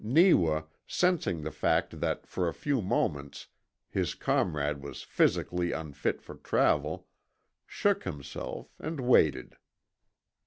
Neewa, sensing the fact that for a few moments his comrade was physically unfit for travel, shook himself, and waited.